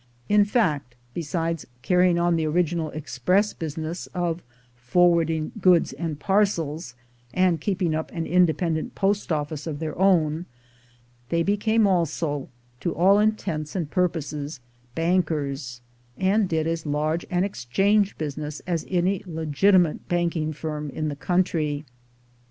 In fact, besides carrying on the original express busi ness of forwarding goods and parcels, and keeping up an independent post office of their own, they became also, to all intents and purposes, bankers, and did as large an exchange business as any legitimate banking firm in the country.